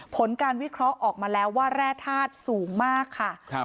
ผลการวิเคราะห์ออกมาแล้วว่าแร่ธาตุสูงมากค่ะ